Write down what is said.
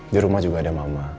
di rumah juga ada mama